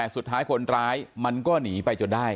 สุดท้ายคนร้ายมันก็หนีไปจนได้